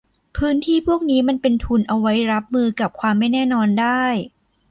พื้นที่พวกนี้มันเป็นทุนเอาไว้รับมือกับความไม่แน่นอนได้